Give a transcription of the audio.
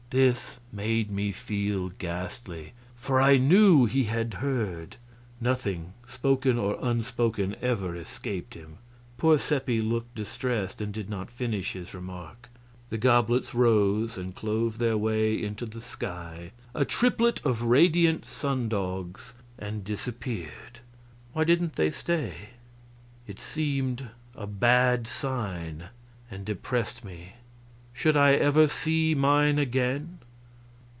This made me feel ghastly, for I knew he had heard; nothing, spoken or unspoken, ever escaped him. Poor Seppi looked distressed, and did not finish his remark. The goblets rose and clove their way into the sky, a triplet of radiant sundogs, and disappeared. Why didn't they stay? It seemed a bad sign, and depressed me. Should I ever see mine again?